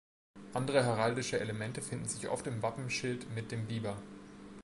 Andere heraldische Elemente finden sich oft im Wappenschild mit dem Biber.